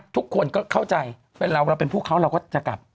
ทุกคนก็เข้าใจเราเป็นผู้เค้าเราก็จะกลับ